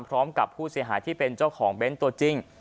พร้อมกับผู้เสียหายที่เป็นเจ้าของเบนท์ตัวจริง